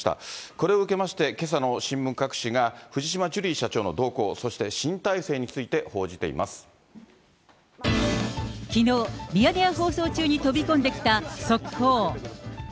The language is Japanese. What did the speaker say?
これを受けまして、けさの新聞各紙が藤島ジュリー社長の動向、そして新体制についてきのう、ミヤネ屋放送中に飛び込んできた速報。